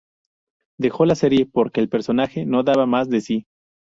Dejó la serie porque "el personaje no daba más de sí".